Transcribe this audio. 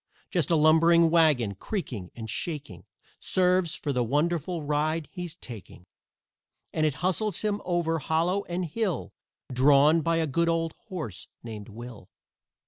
Just a lumbering wagon, creaking and shaking Serves for the wonderful ride he's taking. And it hustles him over hollow and hill, Drawn by a good old horse named WILL.